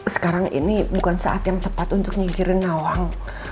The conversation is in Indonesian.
sekarang ini bukan saat yang tepat untuk singkirin nawang